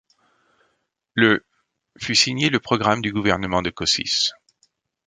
Le fut signé le Programme du gouvernement de Košice.